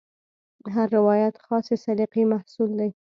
هر روایت خاصې سلیقې محصول دی.